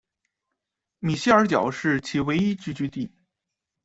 米歇尔角是其唯一聚居地。